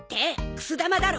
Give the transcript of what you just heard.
くす玉だろ。